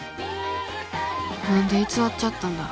何で偽っちゃったんだろう。